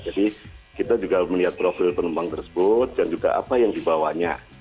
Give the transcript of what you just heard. jadi kita juga melihat profil penumpang tersebut dan juga apa yang dibawanya